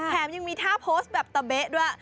แถมยังมีท่าโพสต์แบบตะเบ๊ะด้วย